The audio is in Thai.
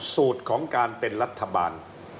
สูตรของการเป็นรัฐบาล